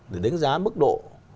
để đánh giá mức độ